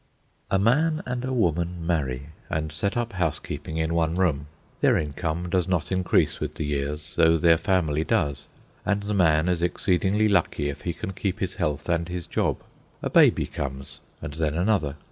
A man and a woman marry and set up housekeeping in one room. Their income does not increase with the years, though their family does, and the man is exceedingly lucky if he can keep his health and his job. A baby comes, and then another.